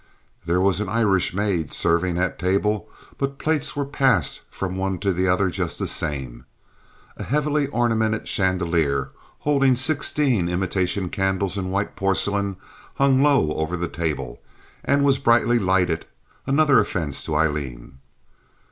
There was an Irish maid serving at table; but plates were passed from one to the other just the same. A heavily ornamented chandelier, holding sixteen imitation candles in white porcelain, hung low over the table and was brightly lighted, another offense to Aileen.